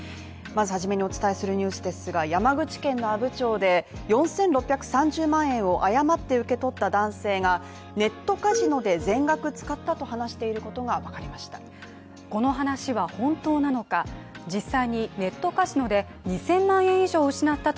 まずはじめにお伝えするニュースですが山口県の阿武町で４６３０万円を誤って受け取った男性がネットカジノで全額使ったと話していることがわかりました。